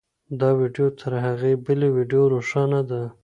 دا ویډیو تر هغې بلې ویډیو روښانه ده.